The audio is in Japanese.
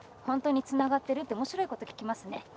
「本当につながってる？」って面白いこと聞きますね。